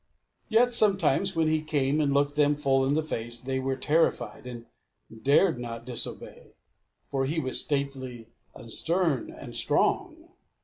Yet, sometimes, when he came and looked them full in the face, they were terrified, and dared not disobey, for he was stately and stern and strong.